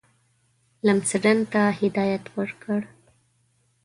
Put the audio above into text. لمسډن ته هدایت ورکړ.